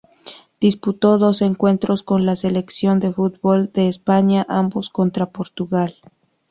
Disputó dos encuentros con la selección de fútbol de España, ambos contra Portugal.